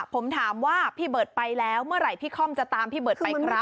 ผมถามว่าพี่เบิร์ตไปแล้วเมื่อไหร่พี่ค่อมจะตามพี่เบิร์ตไปครับ